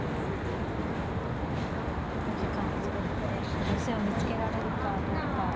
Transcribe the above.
考慮時間を使ってこう寄せを見つけられるかどうか。